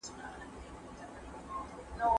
د زده کړې مثبتې تجربې د ټولنې د سوکالۍ سبب ګرځي.